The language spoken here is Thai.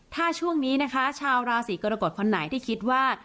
ถ้าช่วงนี้นะคะชาวราศีกรกฎคนไหนที่คิดว่า